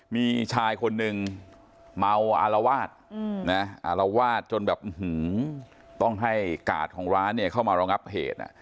มีชายคนหนึ่งเมาอารวาสอารวาสจนแบบต้องให้กาดของร้านเนี่ยเข้ามารองับเหตุ